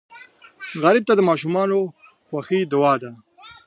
غریب ته د ماشومانو خوښي دعا ده